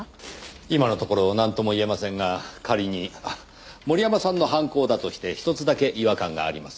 今のところなんとも言えませんが仮に森山さんの犯行だとして一つだけ違和感があります。